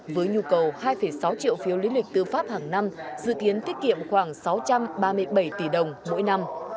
với nhu cầu hai sáu triệu phiếu lý lịch tư pháp hàng năm dự kiến tiết kiệm khoảng sáu trăm ba mươi bảy tỷ đồng mỗi năm